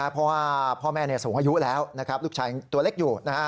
เพราะว่าพ่อแม่สูงอายุแล้วลูกชายยังตัวเล็กอยู่